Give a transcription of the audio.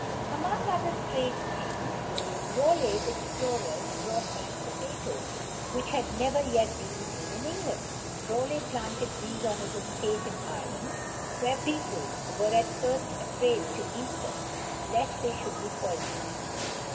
Among other strange things, Raleigh's explorers brought back potatoes, which had never yet been seen in England. Raleigh planted these on his estate in Ireland, where people were at first afraid to eat them, lest they should be poisonous.